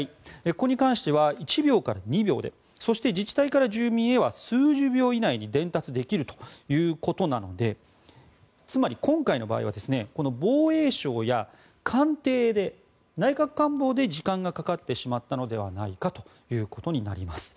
ここに関しては１秒から２秒でそして自治体から住民へは数十秒以内に伝達できるということなのでつまり今回の場合は防衛省や官邸で内閣官房で時間がかかってしまったのではないかということになります。